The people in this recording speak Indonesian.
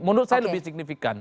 menurut saya lebih signifikan